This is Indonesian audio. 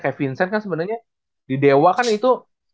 kayak vincent kan sebenernya di dewa kan itu